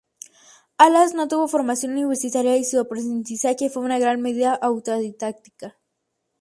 Halas no tuvo formación universitaria y su aprendizaje fue, en gran medida, autodidacta.